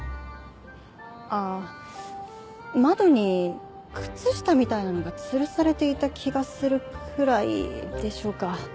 あぁ窓に靴下みたいなのがつるされていた気がするくらいでしょうか。